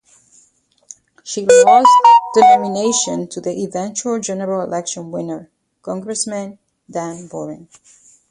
She lost the nomination to the eventual general election winner, Congressman Dan Boren.